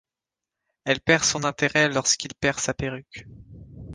Elle perd son intérêt lorsqu'il perd sa perruque.